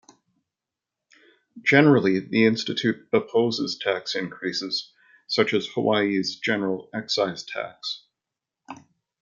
Generally, the institute opposes tax increases, such as Hawaii's General Excise Tax.